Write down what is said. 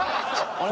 あれ。